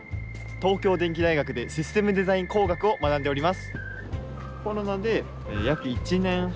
東京電機大学でシステムデザイン工学を学んでおります。